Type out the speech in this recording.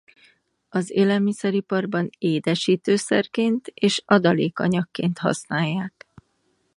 Az élelmiszeriparban édesítőszerként és adalékanyagként használják.